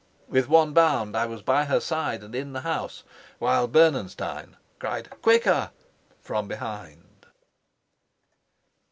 With one bound I was by her side and in the house, while Bernenstein cried, "Quicker!" from behind.